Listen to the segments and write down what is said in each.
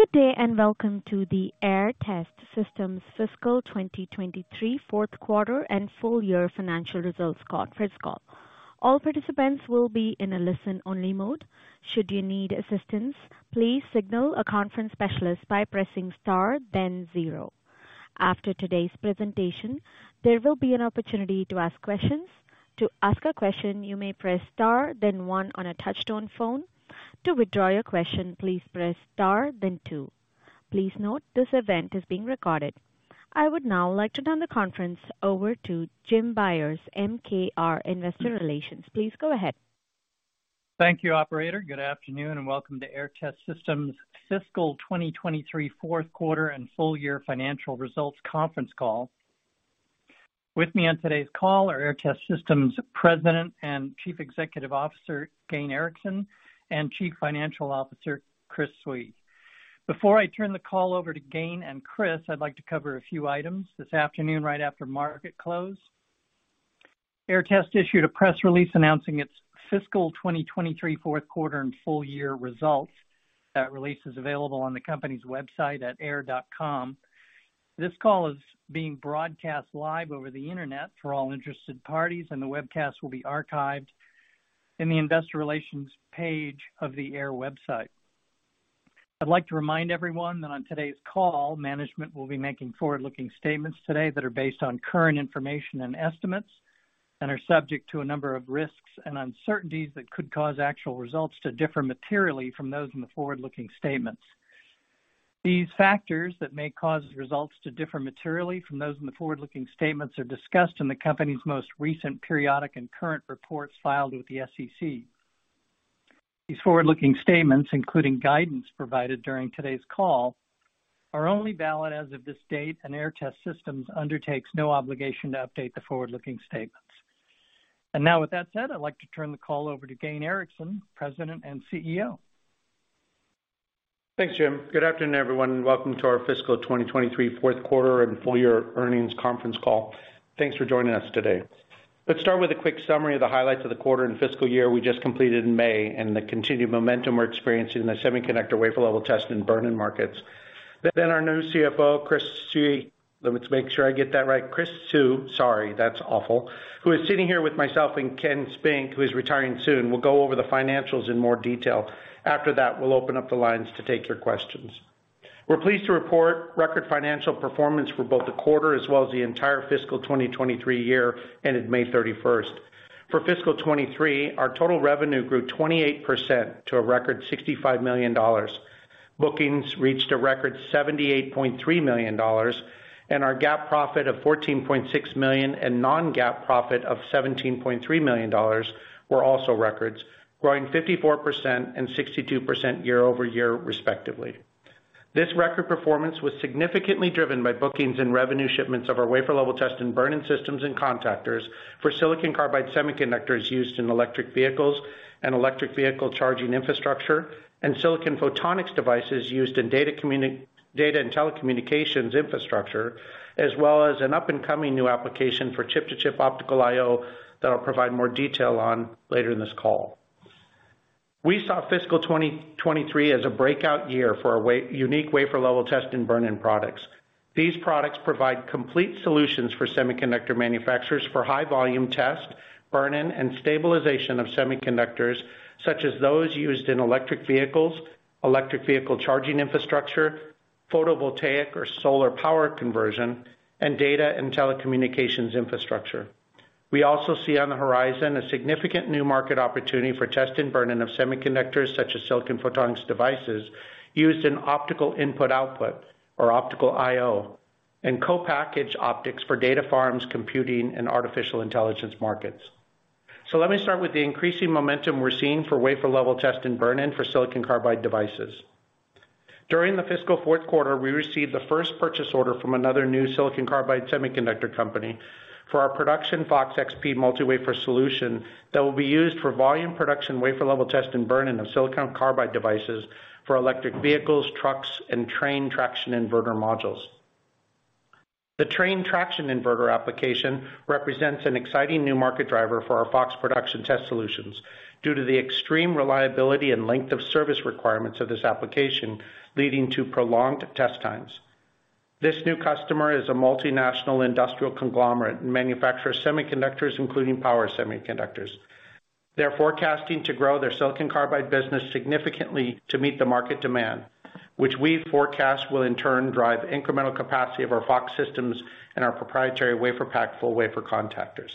Good day, and welcome to the Aehr Test Systems Fiscal 2023, Q4 and full year financial results conference call. All participants will be in a listen-only mode. Should you need assistance, please signal a conference specialist by pressing star, then zero. After today's presentation, there will be an opportunity to ask questions. To ask a question, you may press star, then one on a touch-tone phone. To withdraw your question, please press star, then two. Please note, this event is being recorded. I would now like to turn the conference over to Jim Byers, MKR Investor Relations. Please go ahead. Thank you, operator. Good afternoon, and welcome to Aehr Test Systems Fiscal 2023, Q4, and full year financial results conference call. With me on today's call are Aehr Test Systems President and Chief Executive Officer, Gayn Erickson, and Chief Financial Officer, Chris Siu. Before I turn the call over to Gayn and Chris, I'd like to cover a few items. This afternoon, right after market close, Aehr Test issued a press release announcing its fiscal 2023, Q4, and full year results. That release is available on the company's website at aehr.com. This call is being broadcast live over the internet for all interested parties, and the webcast will be archived in the investor relations page of the Aehr website. I'd like to remind everyone that on today's call, management will be making forward-looking statements today that are based on current information and estimates, and are subject to a number of risks and uncertainties that could cause actual results to differ materially from those in the forward-looking statements. These factors that may cause results to differ materially from those in the forward-looking statements are discussed in the company's most recent periodic and current reports filed with the SEC. These forward-looking statements, including guidance provided during today's call, are only valid as of this date, and Aehr Test Systems undertakes no obligation to update the forward-looking statements. Now, with that said, I'd like to turn the call over to Gayn Erickson, President and CEO. Thanks, Jim. Good afternoon, everyone. Welcome to our fiscal 2023, Q4, and full year earnings conference call. Thanks for joining us today. Let's start with a quick summary of the highlights of the quarter and fiscal year we just completed in May, and the continued momentum we're experiencing in the semiconductor wafer-level test and burn-in markets. Our new CFO, Chris Siu, let me make sure I get that right. Chris Siu, sorry, that's awful, who is sitting here with myself and Ken Spink, who is retiring soon. We'll go over the financials in more detail. After that, we'll open up the lines to take your questions. We're pleased to report record financial performance for both the quarter as well as the entire fiscal 2023 year, ended May thirty-first. For fiscal 2023, our total revenue grew 28% to a record $65 million. Bookings reached a record $78.3 million, our GAAP profit of $14.6 million, and non-GAAP profit of $17.3 million were also records, growing 54% and 62% year-over-year, respectively. This record performance was significantly driven by bookings and revenue shipments of our wafer-level test and burn-in systems and contactors for silicon carbide semiconductors used in electric vehicles and electric vehicle charging infrastructure, and silicon photonics devices used in data and telecommunications infrastructure, as well as an up-and-coming new application for chip-to-chip optical I/O that I'll provide more detail on later in this call. We saw fiscal 2023 as a breakout year for our unique wafer-level test and burn-in products. These products provide complete solutions for semiconductor manufacturers for high-volume test, burn-in, and stabilization of semiconductors, such as those used in electric vehicles, electric vehicle charging infrastructure, photovoltaic or solar power conversion, and data and telecommunications infrastructure. We also see on the horizon a significant new market opportunity for test and burn-in of semiconductors, such as silicon photonics devices, used in optical input-output, or optical I/O, and co-packaged optics for data farms, computing, and artificial intelligence markets. Let me start with the increasing momentum we're seeing for wafer-level test and burn-in for silicon carbide devices. During the fiscal Q4, we received the first purchase order from another new silicon carbide semiconductor company for our production FOX-XP multi-wafer solution that will be used for volume production, wafer-level test and burn-in of silicon carbide devices for electric vehicles, trucks, and train traction inverter modules. The train traction inverter application represents an exciting new market driver for our FOX production test solutions due to the extreme reliability and length of service requirements of this application, leading to prolonged test times. This new customer is a multinational industrial conglomerate and manufactures semiconductors, including power semiconductors. They're forecasting to grow their silicon carbide business significantly to meet the market demand, which we forecast will in turn drive incremental capacity of our FOX systems and our proprietary WaferPak full wafer contactors.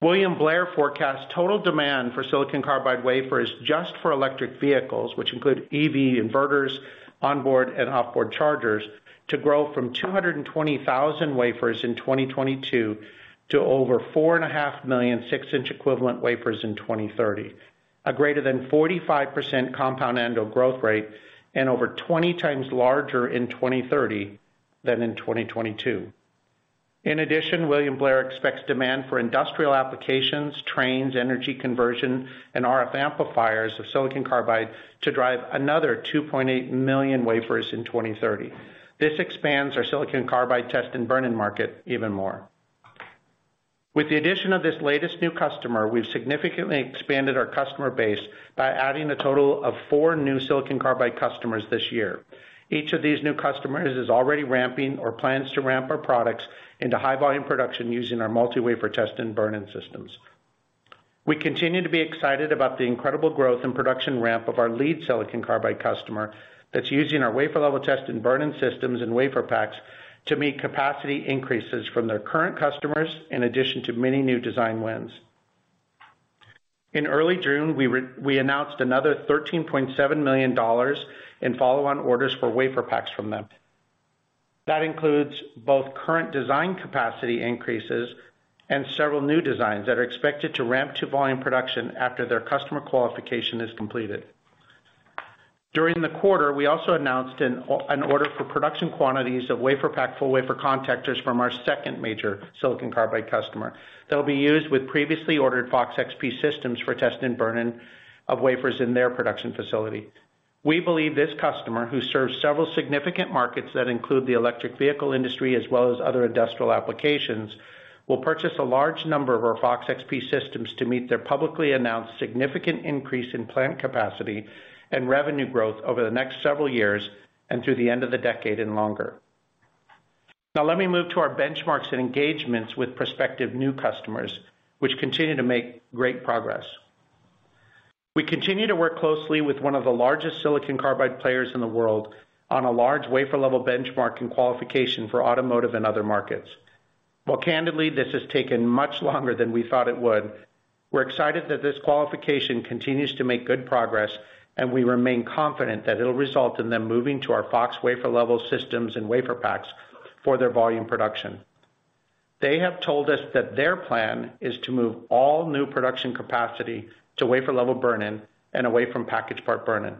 William Blair forecasts total demand for silicon carbide wafers just for electric vehicles, which include EV inverters, onboard and off-board chargers, to grow from 220,000 wafers in 2022 to over 4.5 million 6-inch equivalent wafers in 2030, a greater than 45% compound annual growth rate and over 20 times larger in 2030 than in 2022. In addition, William Blair expects demand for industrial applications, trains, energy conversion, and RF amplifiers of silicon carbide to drive another 2.8 million wafers in 2030. This expands our silicon carbide test and burn-in market even more. With the addition of this latest new customer, we've significantly expanded our customer base by adding a total of 4 new silicon carbide customers this year. Each of these new customers is already ramping or plans to ramp our products into high-volume production using our multi-wafer test and burn-in systems. We continue to be excited about the incredible growth and production ramp of our lead silicon carbide customer that's using our wafer level test and burn-in systems and WaferPaks to meet capacity increases from their current customers, in addition to many new design wins. In early June, we announced another $13.7 million in follow-on orders for WaferPaks from them. That includes both current design capacity increases and several new designs that are expected to ramp to volume production after their customer qualification is completed. During the quarter, we also announced an order for production quantities of WaferPak, full wafer contactors from our second major silicon carbide customer. They'll be used with previously ordered FOX-XP systems for test and burn-in of wafers in their production facility. We believe this customer, who serves several significant markets that include the electric vehicle industry as well as other industrial applications, will purchase a large number of our FOX-XP systems to meet their publicly announced significant increase in plant capacity and revenue growth over the next several years and through the end of the decade and longer. Let me move to our benchmarks and engagements with prospective new customers, which continue to make great progress. We continue to work closely with one of the largest silicon carbide players in the world on a large wafer-level benchmark and qualification for automotive and other markets. While candidly, this has taken much longer than we thought it would, we're excited that this qualification continues to make good progress, and we remain confident that it'll result in them moving to our FOX wafer level systems and WaferPaks for their volume production. They have told us that their plan is to move all new production capacity to wafer level burn-in and away from package part burn-in.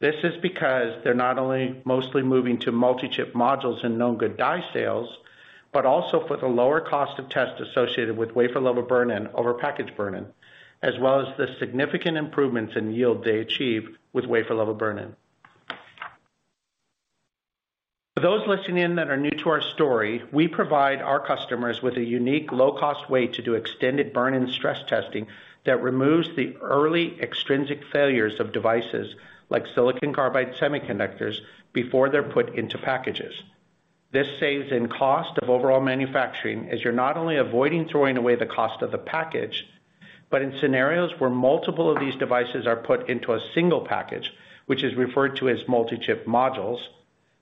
This is because they're not only mostly moving to multi-chip modules and known good die sales, but also for the lower cost of test associated with wafer level burn-in over package burn-in, as well as the significant improvements in yield they achieve with wafer level burn-in. For those listening in that are new to our story, we provide our customers with a unique, low-cost way to do extended burn-in stress testing that removes the early extrinsic failures of devices like silicon carbide semiconductors before they're put into packages. This saves in cost of overall manufacturing, as you're not only avoiding throwing away the cost of the package, but in scenarios where multiple of these devices are put into a single package, which is referred to as multi-chip modules,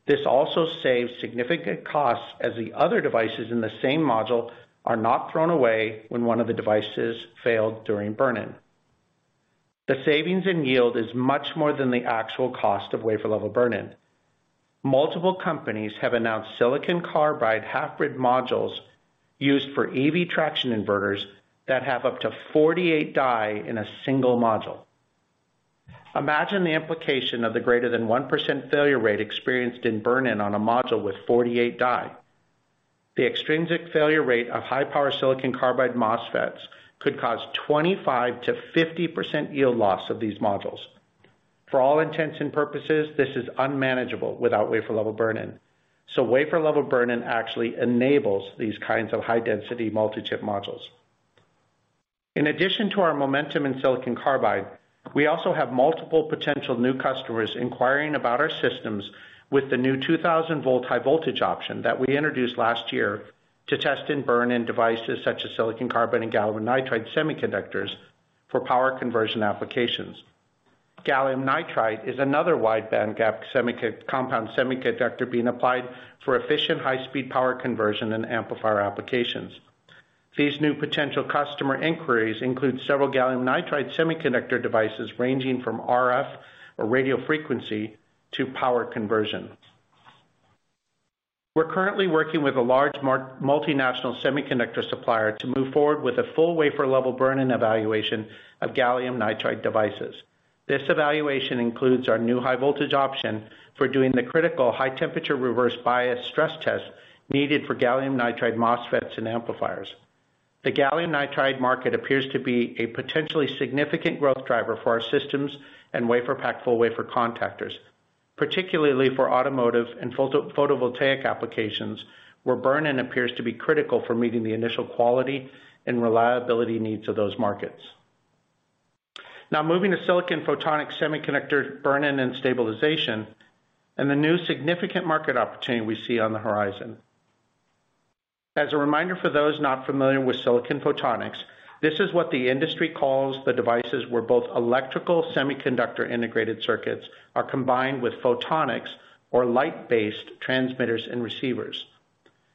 this also saves significant costs as the other devices in the same module are not thrown away when one of the devices failed during burn-in. The savings in yield is much more than the actual cost of wafer level burn-in. Multiple companies have announced silicon carbide half-bridge modules used for EV traction inverters that have up to 48 die in a single module. Imagine the implication of the greater than 1% failure rate experienced in burn-in on a module with 48 die. The extrinsic failure rate of high-power silicon carbide MOSFETs could cause 25%-50% yield loss of these modules. For all intents and purposes, this is unmanageable without wafer level burn-in. Wafer level burn-in actually enables these kinds of high-density multi-chip modules. In addition to our momentum in silicon carbide, we also have multiple potential new customers inquiring about our systems with the new 2,000 volt high voltage option that we introduced last year to test and burn in devices such as silicon carbide and gallium nitride semiconductors for power conversion applications. Gallium nitride is another wide bandgap compound semiconductor being applied for efficient, high-speed power conversion and amplifier applications. These new potential customer inquiries include several gallium nitride semiconductor devices, ranging from RF or radio frequency to power conversion. We're currently working with a large multinational semiconductor supplier to move forward with a full wafer level burn-in evaluation of gallium nitride devices. This evaluation includes our new high voltage option for doing the critical high temperature reverse bias stress test needed for gallium nitride MOSFETs and amplifiers. The gallium nitride market appears to be a potentially significant growth driver for our systems and WaferPak full wafer contactors, particularly for automotive and photovoltaic applications, where burn-in appears to be critical for meeting the initial quality and reliability needs of those markets. Now moving to silicon photonic semiconductor burn-in and stabilization, and the new significant market opportunity we see on the horizon. As a reminder, for those not familiar with silicon photonics, this is what the industry calls the devices, where both electrical semiconductor integrated circuits are combined with photonics or light-based transmitters and receivers.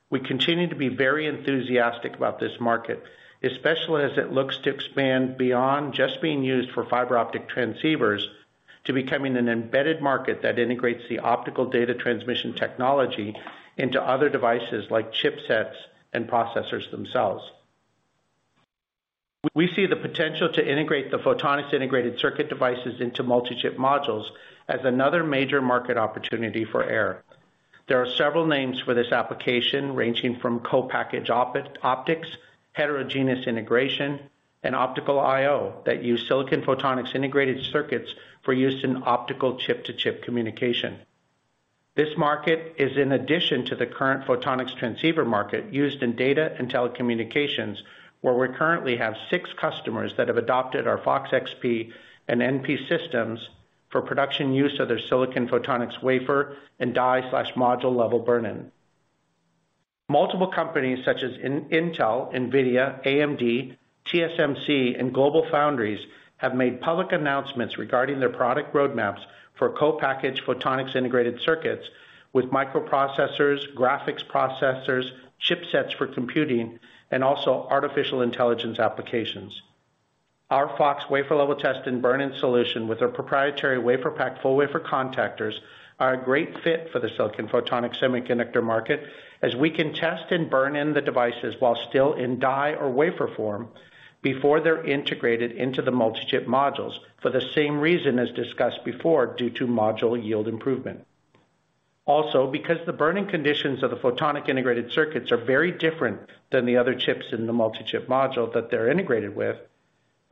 We continue to be very enthusiastic about this market, especially as it looks to expand beyond just being used for fiber optic transceivers to becoming an embedded market that integrates the optical data transmission technology into other devices like chipsets and processors themselves. We see the potential to integrate the photonics integrated circuit devices into multi-chip modules as another major market opportunity for Aehr. There are several names for this application, ranging from co-packaged optics, heterogeneous integration, and optical I/O, that use silicon photonics integrated circuits for use in optical chip-to-chip communication. This market is in addition to the current photonics transceiver market used in data and telecommunications, where we currently have 6 customers that have adopted our FOX-XP and FOX-NP systems for production use of their silicon photonics, wafer, and die/module level burn-in. Multiple companies, such as Intel, NVIDIA, AMD, TSMC, and GlobalFoundries, have made public announcements regarding their product roadmaps for co-packaged photonics integrated circuits with microprocessors, graphics processors, chipsets for computing, and also artificial intelligence applications. Our FOX wafer level test and burn-in solution, with our proprietary WaferPak full wafer contactors, are a great fit for the silicon photonic semiconductor market, as we can test and burn in the devices while still in die or wafer form before they're integrated into the multi-chip modules, for the same reason as discussed before, due to module yield improvement. Because the burning conditions of the photonic integrated circuits are very different than the other chips in the multi-chip module that they're integrated with,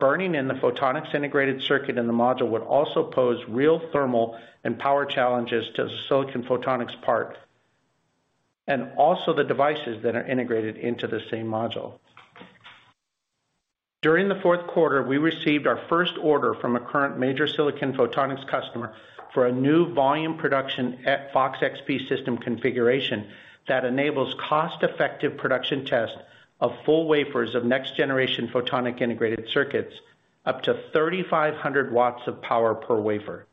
burning in the photonic integrated circuit in the module would also pose real thermal and power challenges to the silicon photonics part, and also the devices that are integrated into the same module. During the Q4, we received our first order from a current major silicon photonics customer for a new volume production at FOX-XP system configuration, that enables cost-effective production test of full wafers of next generation photonic integrated circuits, up to 3,500 watts of power per wafer.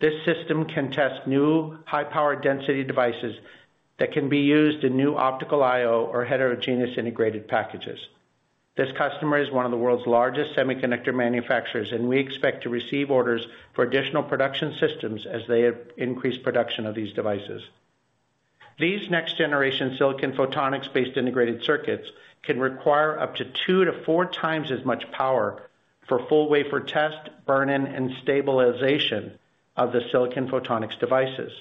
This system can test new high power density devices that can be used in new optical I/O or heterogeneous integrated packages. This customer is one of the world's largest semiconductor manufacturers, and we expect to receive orders for additional production systems as they increase production of these devices. These next-generation silicon photonics-based integrated circuits can require up to 2 to 4 times as much power for full wafer test, burn-in, and stabilization of the silicon photonics devices.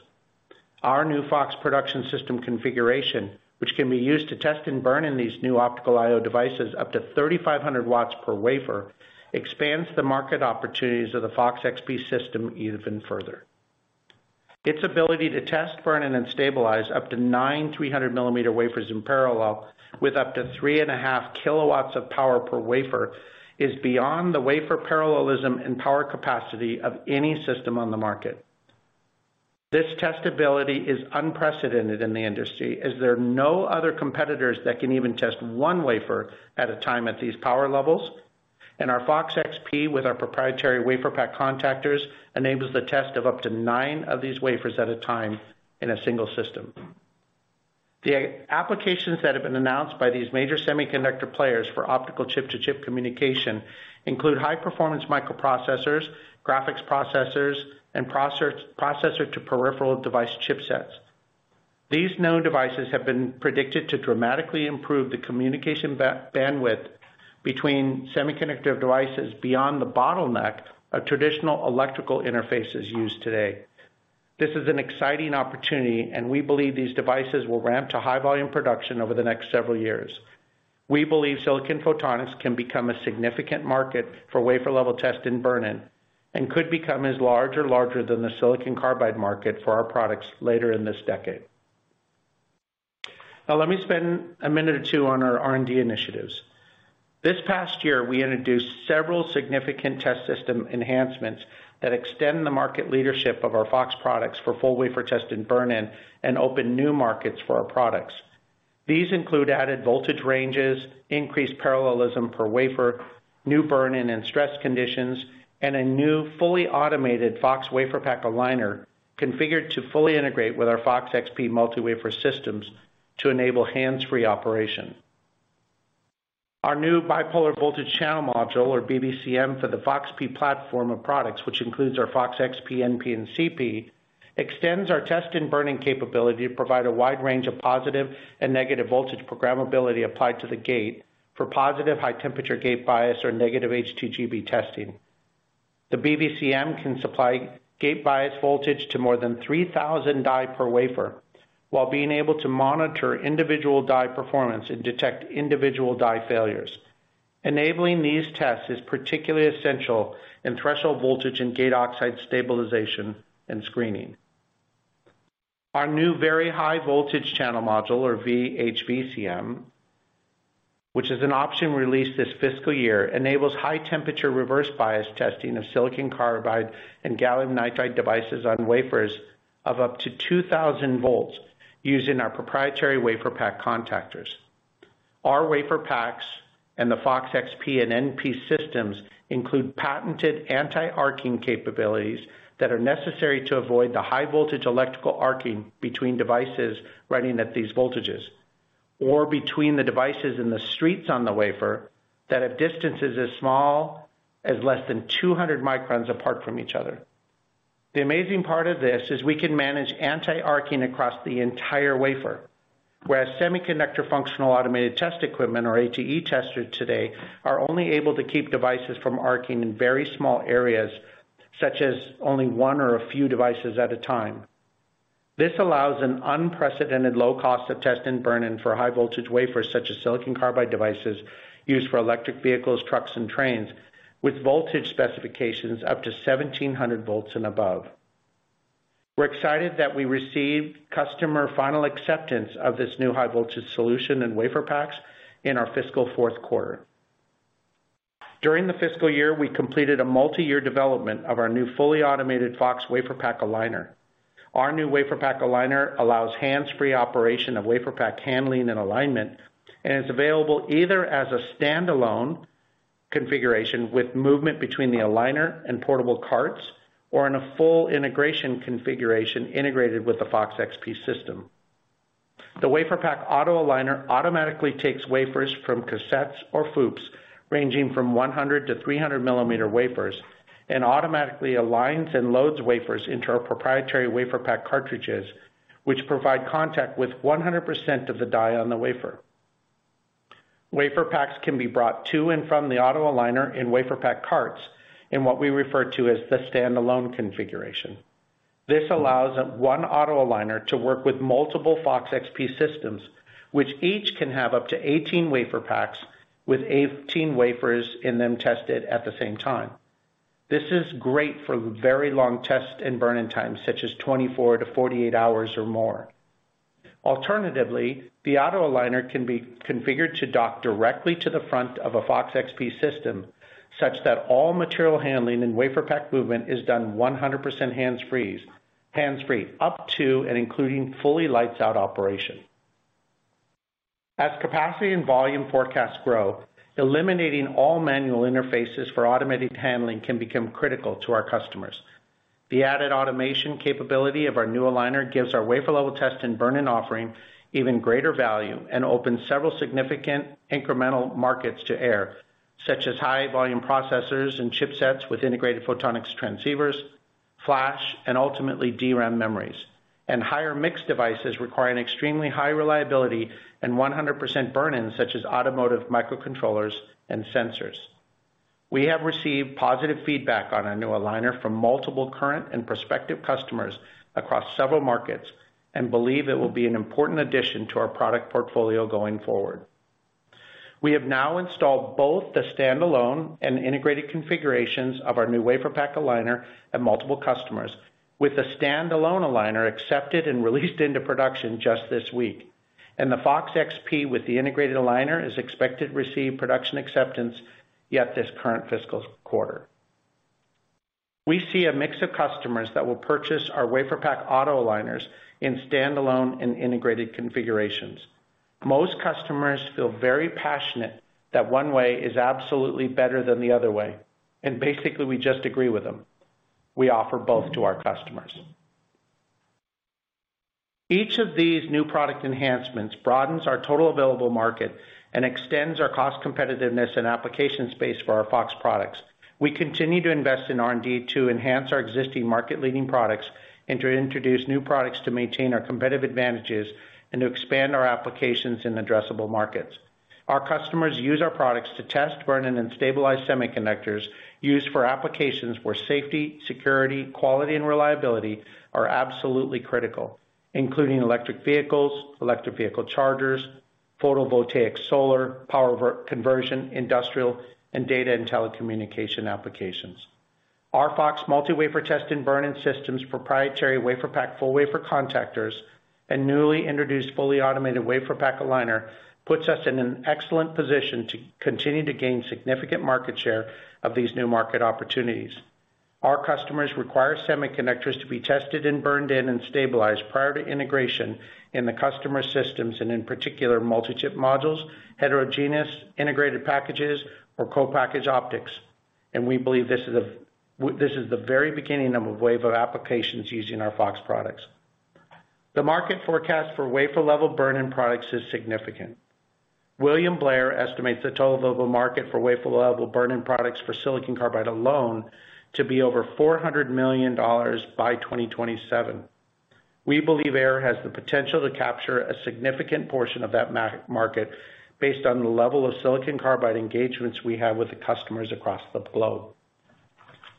Our new FOX production system configuration, which can be used to test and burn in these new optical I/O devices up to 3,500 watts per wafer, expands the market opportunities of the FOX-XP system even further. Its ability to test, burn in, and stabilize up to nine 300 millimeter wafers in parallel, with up to 3.5 kilowatts of power per wafer, is beyond the wafer parallelism and power capacity of any system on the market. This testability is unprecedented in the industry, as there are no other competitors that can even test 1 wafer at a time at these power levels, and our FOX-XP, with our proprietary WaferPak contactors, enables the test of up to 9 of these wafers at a time in a single system. The applications that have been announced by these major semiconductor players for optical chip-to-chip communication include high-performance microprocessors, graphics processors, and processor-to-peripheral device chipsets. These new devices have been predicted to dramatically improve the communication bandwidth between semiconductor devices beyond the bottleneck of traditional electrical interfaces used today. This is an exciting opportunity, and we believe these devices will ramp to high volume production over the next several years. We believe silicon photonics can become a significant market for wafer level test and burn-in, and could become as large or larger than the silicon carbide market for our products later in this decade. Let me spend a minute or two on our R&D initiatives. This past year, we introduced several significant test system enhancements that extend the market leadership of our FOX products for full wafer test and burn-in, and open new markets for our products. These include added voltage ranges, increased parallelism per wafer, new burn-in and stress conditions, and a new fully automated FOX WaferPak Aligner, configured to fully integrate with our FOX-XP multi-wafer systems to enable hands-free operation. Our new Bipolar Voltage Channel Module, or BVCM, for the FOX-P platform of products, which includes our FOX-XP, FOX-NP, and FOX-CP, extends our test and burning capability to provide a wide range of positive and negative voltage programmability applied to the gate for positive high temperature gate bias or negative HTGB testing. The BVCM can supply gate bias voltage to more than 3,000 die per wafer, while being able to monitor individual die performance and detect individual die failures. Enabling these tests is particularly essential in threshold voltage and gate oxide stabilization and screening. Our new Very High Voltage Channel Module, or VHVCM, which is an option released this fiscal year, enables high temperature reverse bias testing of silicon carbide and gallium nitride devices on wafers of up to 2,000 volts, using our proprietary WaferPak contactors. Our WaferPaks and the FOX-XP and FOX-NP systems include patented anti-arcing capabilities that are necessary to avoid the high voltage electrical arcing between devices running at these voltages, or between the devices and the streets on the wafer that have distances as small as less than 200 microns apart from each other. The amazing part of this is we can manage anti-arcing across the entire wafer, whereas semiconductor functional automated test equipment, or ATE testers today, are only able to keep devices from arcing in very small areas, such as only one or a few devices at a time. This allows an unprecedented low cost of test and burn-in for high voltage wafers, such as silicon carbide devices used for electric vehicles, trucks, and trains, with voltage specifications up to 1,700 volts and above. We're excited that we received customer final acceptance of this new high-voltage solution in WaferPaks in our fiscal Q4. During the fiscal year, we completed a multi-year development of our new fully automated FOX WaferPak Aligner. Our new WaferPak Aligner allows hands-free operation of WaferPak handling and alignment, is available either as a standalone configuration with movement between the aligner and portable carts, or in a full integration configuration integrated with the FOX-XP system. The WaferPak auto aligner automatically takes wafers from cassettes or FOUPs, ranging from 100 to 300 millimeter wafers, automatically aligns and loads wafers into our proprietary WaferPak cartridges, which provide contact with 100% of the die on the wafer. WaferPaks can be brought to and from the auto aligner in WaferPak carts, in what we refer to as the standalone configuration. This allows 1 auto aligner to work with multiple FOX-XP systems, which each can have up to 18 WaferPaks, with 18 wafers in them tested at the same time. This is great for very long test and burn-in time, such as 24-48 hours or more. Alternatively, the auto aligner can be configured to dock directly to the front of a FOX-XP system, such that all material handling and WaferPak movement is done 100% hands-free, up to and including fully lights out operation. As capacity and volume forecasts grow, eliminating all manual interfaces for automated handling can become critical to our customers. The added automation capability of our new aligner gives our wafer level test and burn-in offering even greater value, and opens several significant incremental markets to Aehr, such as high volume processors and chipsets with integrated photonics transceivers, flash, and ultimately, DRAM memories. Higher mixed devices require an extremely high reliability and 100% burn-in, such as automotive microcontrollers and sensors. We have received positive feedback on our new aligner from multiple current and prospective customers across several markets, and believe it will be an important addition to our product portfolio going forward. We have now installed both the standalone and integrated configurations of our new WaferPak Aligner at multiple customers, with the standalone aligner accepted and released into production just this week, and the FOX-XP with the integrated aligner, is expected to receive production acceptance, yet this current fiscal quarter. We see a mix of customers that will purchase our WaferPak Aligners in standalone and integrated configurations. Most customers feel very passionate that one way is absolutely better than the other way, Basically, we just agree with them. We offer both to our customers. Each of these new product enhancements broadens our total available market and extends our cost competitiveness and application space for our FOX products. We continue to invest in R&D to enhance our existing market-leading products, and to introduce new products to maintain our competitive advantages, and to expand our applications in addressable markets. Our customers use our products to test, burn-in, and stabilize semiconductors used for applications where safety, security, quality, and reliability are absolutely critical, including electric vehicles, electric vehicle chargers, photovoltaic, solar, power conversion, industrial, and data and telecommunication applications. Our FOX multi-wafer test and burn-in systems, proprietary WaferPak, full wafer contactors, and newly introduced fully automated WaferPak Aligner, puts us in an excellent position to continue to gain significant market share of these new market opportunities. Our customers require semiconductors to be tested and burned in, and stabilized prior to integration in the customer systems, and in particular, multi-chip modules, heterogeneous, integrated packages, or co-packaged optics. We believe this is the very beginning of a wave of applications using our FOX products. The market forecast for wafer-level burn-in products is significant. William Blair estimates the total global market for wafer-level burn-in products for silicon carbide alone to be over $400 million by 2027. We believe Aehr has the potential to capture a significant portion of that market, based on the level of silicon carbide engagements we have with the customers across the globe.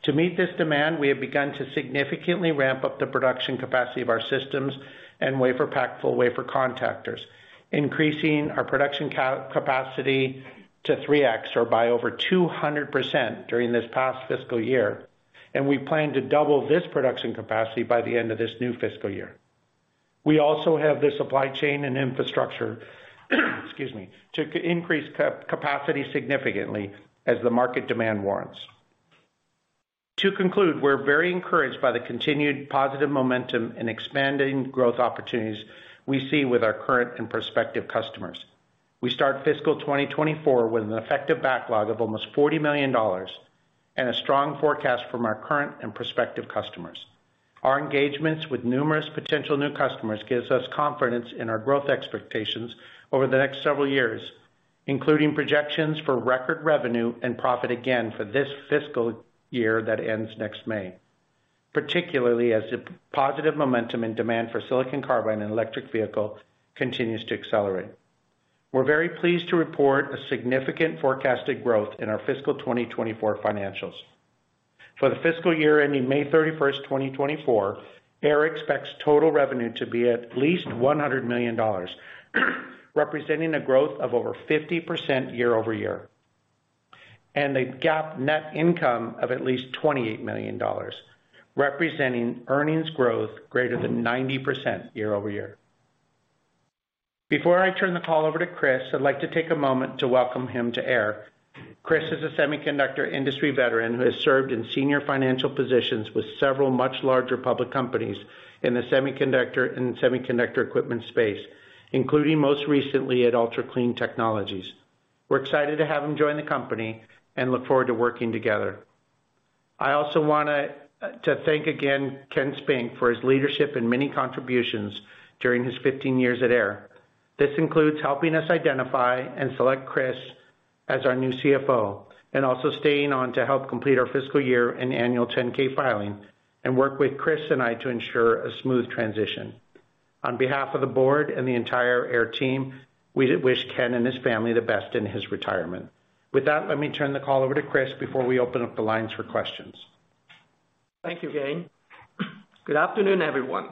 To meet this demand, we have begun to significantly ramp up the production capacity of our systems and WaferPak, full wafer contactors, increasing our production capacity to 3X, or by over 200% during this past fiscal year. We plan to double this production capacity by the end of this new fiscal year. We also have the supply chain and infrastructure, excuse me, to increase capacity significantly as the market demand warrants. To conclude, we're very encouraged by the continued positive momentum and expanding growth opportunities we see with our current and prospective customers. We start fiscal 2024 with an effective backlog of almost $40 million, a strong forecast from our current and prospective customers. Our engagements with numerous potential new customers gives us confidence in our growth expectations over the next several years, including projections for record revenue and profit again for this fiscal year that ends next May, particularly as the positive momentum and demand for silicon carbide and electric vehicle continues to accelerate. We're very pleased to report a significant forecasted growth in our fiscal 2024 financials. For the fiscal year, ending 31st May 2024, Aehr expects total revenue to be at least $100 million, representing a growth of over 50% year-over-year. A GAAP net income of at least $28 million, representing earnings growth greater than 90% year-over-year. Before I turn the call over to Chris, I'd like to take a moment to welcome him to Aehr. Chris is a semiconductor industry veteran who has served in senior financial positions with several much larger public companies in the semiconductor and semiconductor equipment space, including most recently at Ultra Clean Technologies. We're excited to have him join the company and look forward to working together. I also wanna to thank again, Ken Spink, for his leadership and many contributions during his 15 years at Aehr. This includes helping us identify and select Chris as our new CFO, and also staying on to help complete our fiscal year and annual 10-K filing, and work with Chris and I to ensure a smooth transition. On behalf of the board and the entire Aehr team, we do wish Ken and his family the best in his retirement. With that, let me turn the call over to Chris before we open up the lines for questions. Thank you, Gayn. Good afternoon, everyone.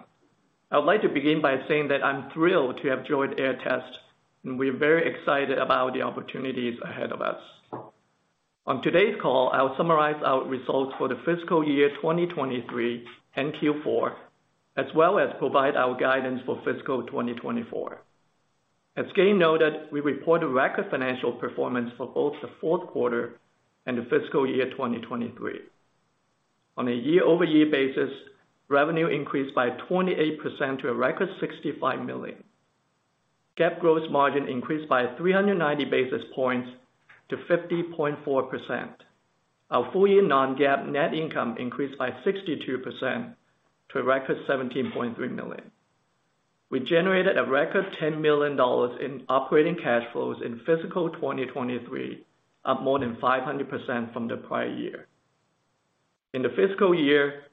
I would like to begin by saying that I'm thrilled to have joined Aehr Test Systems, and we're very excited about the opportunities ahead of us. On today's call, I'll summarize our results for the fiscal year 2023 and Q4, as well as provide our guidance for fiscal 2024. As Gayn noted, we reported record financial performance for both the Q4 and the fiscal year 2023. On a year-over-year basis, revenue increased by 28% to a record $65 million. GAAP gross margin increased by 390 basis points to 50.4%. Our full year non-GAAP net income increased by 62% to a record $17.3 million. We generated a record $10 million in operating cash flows in fiscal 2023, up more than 500% from the prior year. In the fiscal year,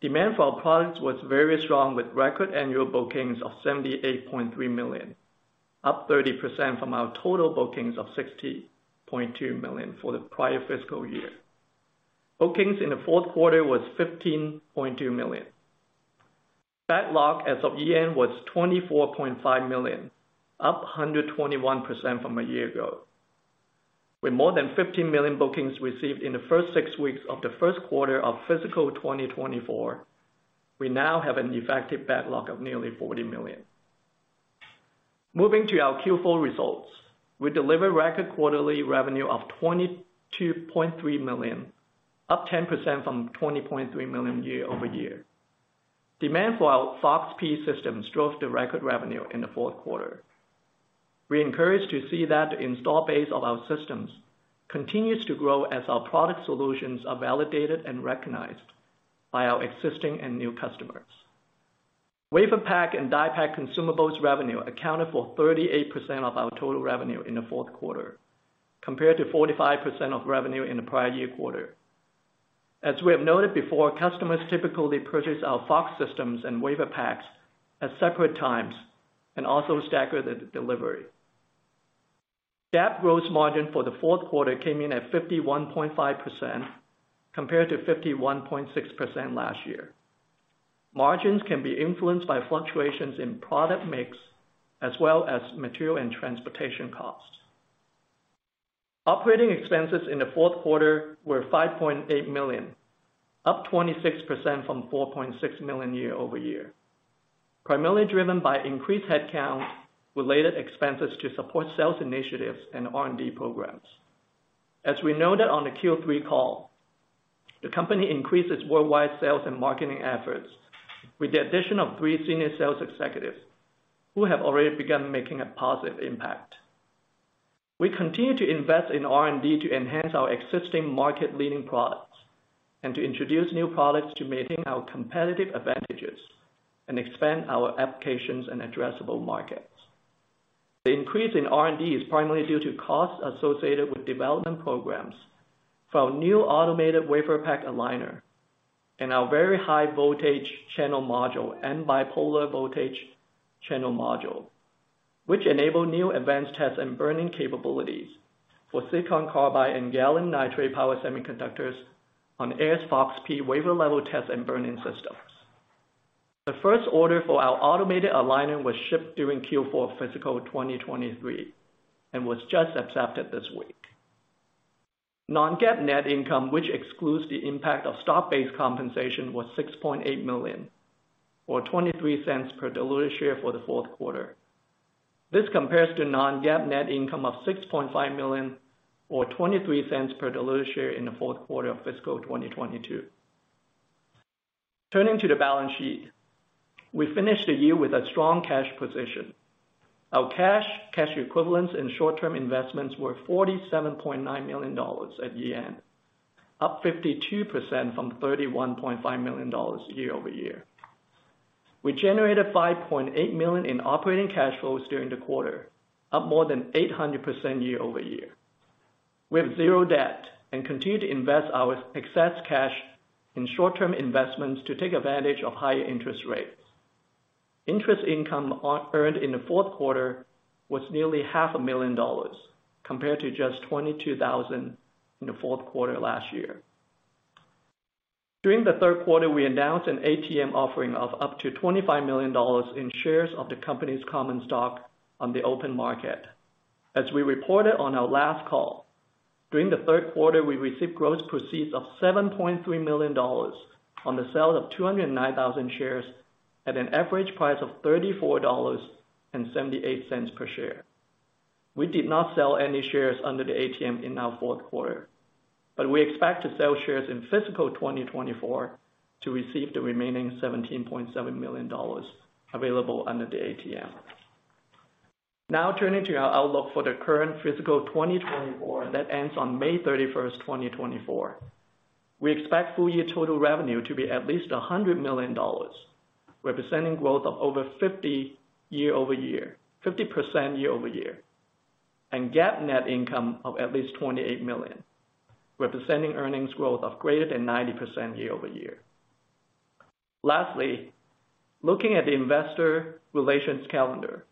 demand for our products was very strong, with record annual bookings of $78.3 million, up 30% from our total bookings of $60.2 million for the prior fiscal year. Bookings in the Q4 was $15.2 million. Backlog as of year-end was $24.5 million, up 121% from a year ago. With more than $15 million bookings received in the first six weeks of the Q1 of fiscal 2024, we now have an effective backlog of nearly $40 million. Moving to our Q4 results. We delivered record quarterly revenue of $22.3 million, up 10% from $20.3 million year-over-year. Demand for our FOX-P systems drove the record revenue in the Q4. We encouraged to see that the install base of our systems continues to grow as our product solutions are validated and recognized by our existing and new customers. WaferPak and DiePak consumables revenue accounted for 38% of our total revenue in the Q4, compared to 45% of revenue in the prior year quarter. As we have noted before, customers typically purchase our FOX systems and WaferPaks at separate times and also stagger the delivery. GAAP gross margin for the Q4 came in at 51.5%, compared to 51.6% last year. Margins can be influenced by fluctuations in product mix, as well as material and transportation costs. Operating expenses in the Q4 were $5.8 million, up 26% from $4.6 million year-over-year, primarily driven by increased headcount related expenses to support sales initiatives and R&D programs. As we noted on the Q3 call, the company increases worldwide sales and marketing efforts with the addition of three senior sales executives, who have already begun making a positive impact. We continue to invest in R&D to enhance our existing market-leading products, and to introduce new products to maintain our competitive advantages and expand our applications and addressable markets. The increase in R&D is primarily due to costs associated with development programs for our new automated WaferPak Aligner and our Very High Voltage Channel Module and Bipolar Voltage Channel Module, which enable new advanced tests and burn-in capabilities for silicon carbide and gallium nitride power semiconductors on Aehr's FOX-P wafer-level test and burn-in systems. The first order for our automated aligner was shipped during Q4 fiscal 2023, and was just accepted this week. Non-GAAP net income, which excludes the impact of stock-based compensation, was $6.8 million, or $0.23 per diluted share for the Q4. This compares to non-GAAP net income of $6.5 million, or $0.23 per diluted share in the Q4 of fiscal 2022. Turning to the balance sheet. We finished the year with a strong cash position. Our cash equivalents, and short-term investments were $47.9 million at year-end, up 52% from $31.5 million year-over-year. We generated $5.8 million in operating cash flows during the quarter, up more than 800% year-over-year. We have zero debt and continue to invest our excess cash in short-term investments to take advantage of higher interest rates. Interest income earned in the Q4 was nearly half a million dollars, compared to just $22,000 in the Q4 last year. During the Q3, we announced an ATM offering of up to $25 million in shares of the company's common stock on the open market. As we reported on our last call, during the Q3, we received gross proceeds of $7.3 million on the sale of 209,000 shares at an average price of $34.78 per share. We did not sell any shares under the ATM in our Q4, we expect to sell shares in fiscal 2024 to receive the remaining $17.7 million available under the ATM. Turning to our outlook for the current fiscal 2024 that ends on 31 May 2024. We expect full year total revenue to be at least $100 million, representing growth of over 50% year-over-year, and GAAP net income of at least $28 million, representing earnings growth of greater than 90% year-over-year. Looking at the investor relations calendar,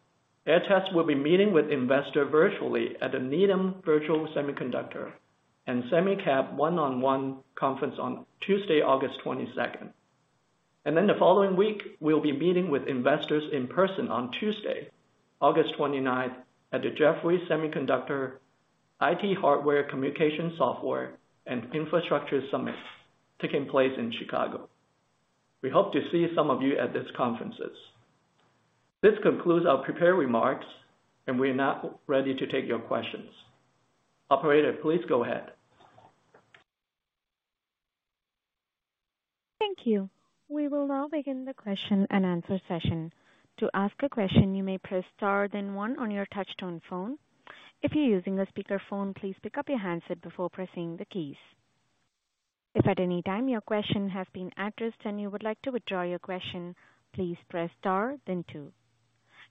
Aehr Test will be meeting with investors virtually at the Needham Virtual Semiconductor & SemiCap 1x1 Conference on Tuesday, 22 August 2023. The following week, we'll be meeting with investors in person on Tuesday, 29 August 2023, at the Jefferies Semis, IT Hardware & Comm Infrastructure Summit, taking place in Chicago. We hope to see some of you at these conferences. This concludes our prepared remarks. We're now ready to take your questions. Operator, please go ahead. Thank you. We will now begin the question-and-answer session. To ask a question, you may press star then one on your touch-tone phone. If you're using a speakerphone, please pick up your handset before pressing the keys. If at any time your question has been addressed and you would like to withdraw your question, please press star then two.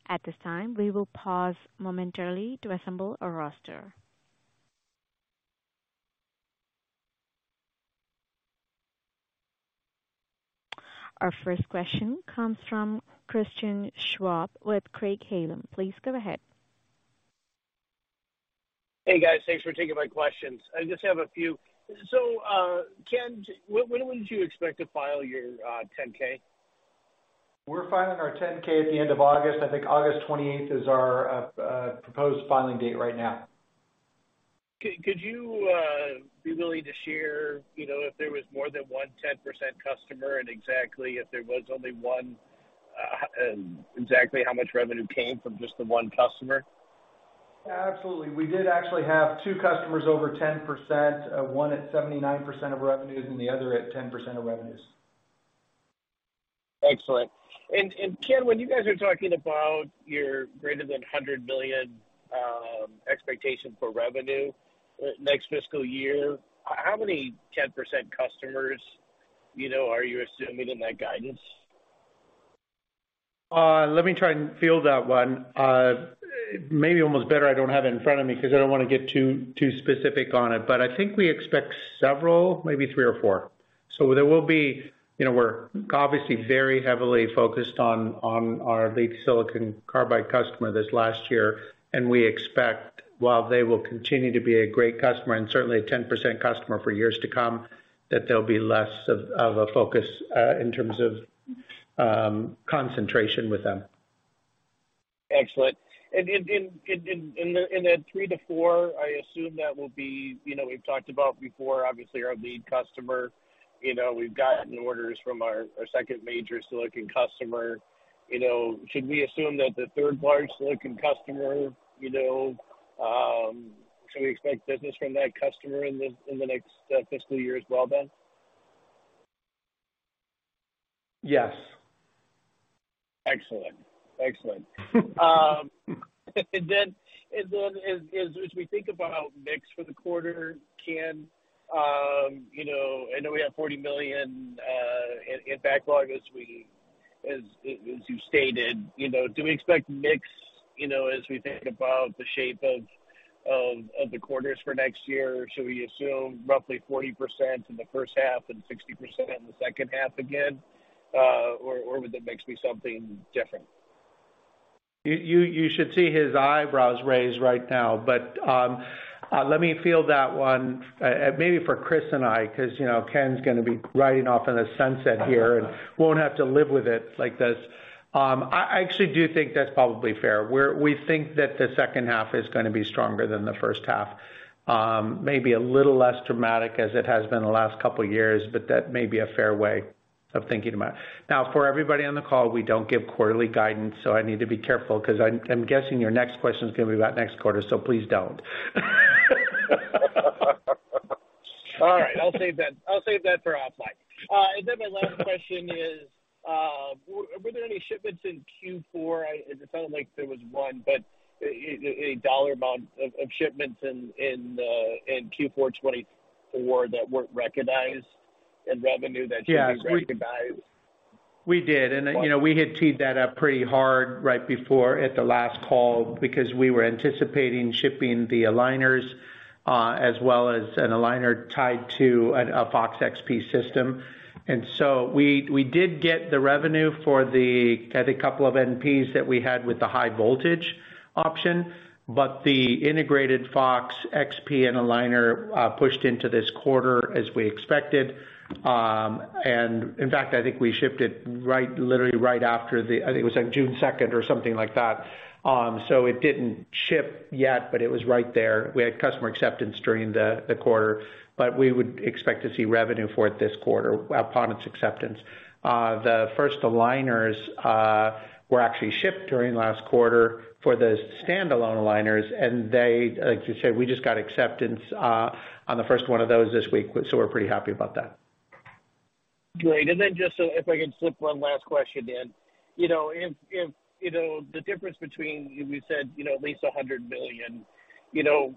At this time, we will pause momentarily to assemble a roster. Our first question comes from Christian Schwab with Craig-Hallum. Please go ahead. Hey, guys. Thanks for taking my questions. I just have a few. Ken, when would you expect to file your 10-K? We're filing our 10-K at the end of August. I think 28th August 2023 is our proposed filing date right now. Could you be willing to share, you know, if there was more than one 10% customer and exactly if there was only one, exactly how much revenue came from just the one customer? Absolutely. We did actually have two customers over 10%, one at 79% of revenues and the other at 10% of revenues. Excellent. Ken, when you guys are talking about your greater than $100 million expectation for revenue next fiscal year, how many 10% customers, you know, are you assuming in that guidance? Let me try and field that one. Maybe almost better I don't have it in front of me, 'cause I don't wanna get too specific on it, but I think we expect several, maybe three or four. You know, we're obviously very heavily focused on our lead silicon carbide customer this last year, and we expect, while they will continue to be a great customer and certainly a 10% customer for years to come, that they'll be less of a focus, in terms of, concentration with them. Excellent. 3-4, I assume that will be, you know, we've talked about before, obviously, our lead customer. You know, we've gotten orders from our second major silicon customer. You know, should we assume that the third largest silicon customer, you know, should we expect business from that customer in the next fiscal year as well, then? Yes. Excellent. Excellent. Then as we think about mix for the quarter, Ken, you know, I know we have $40 million in backlog as we, as you stated. You know, do we expect mix, you know, as we think about the shape of the quarters for next year? Should we assume roughly 40% in the H1 and 60% in the H2 again? Would the mix be something different? You should see his eyebrows raised right now. Let me field that one maybe for Chris and I, cause, you know, Ken's gonna be riding off in a sunset here and won't have to live with it like this. I actually do think that's probably fair. We think that the H2 is gonna be stronger than the H1. Maybe a little less dramatic as it has been the last couple of years, but that may be a fair way of thinking about it. Now, for everybody on the call, we don't give quarterly guidance, so I need to be careful, cause I'm guessing your next question is gonna be about next quarter, so please don't. All right, I'll save that, I'll save that for offline. My last question is, were there any shipments in Q4? It sounded like there was one, but a dollar amount of shipments in Q4 2023 that weren't recognized in revenue that should be recognized? We did, you know, we had teed that up pretty hard right before at the last call, because we were anticipating shipping the aligners, as well as an aligner tied to a FOX-XP system. We did get the revenue for the, I think, couple of FOX-NPs that we had with the high voltage option, but the integrated FOX-XP and aligner pushed into this quarter as we expected. In fact, I think we shipped it literally right after the... I think it was like June 2nd or something like that. It didn't ship yet, but it was right there. We had customer acceptance during the quarter, but we would expect to see revenue for it this quarter upon its acceptance. The first aligners were actually shipped during last quarter for the standalone aligners, and they, like you said, we just got acceptance on the first one of those this week, so we're pretty happy about that. Great. Just so if I could slip one last question in. You know, if, you know, the difference between, you said, you know, at least $100 million, you know,